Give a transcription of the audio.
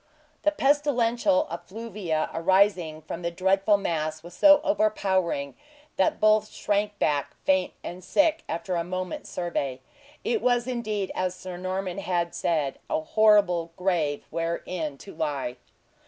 The pestilential effluvia arising from the dreadful mass was so overpowering that both shrank back, faint and sick, after a moment's survey. It was indeed as Sir Norman had, said, a horrible grave wherein to lie.